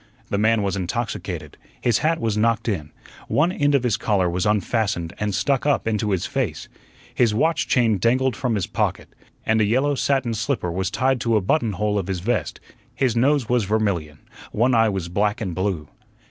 The man was intoxicated, his hat was knocked in, one end of his collar was unfastened and stuck up into his face, his watch chain dangled from his pocket, and a yellow satin slipper was tied to a button hole of his vest; his nose was vermilion, one eye was black and blue.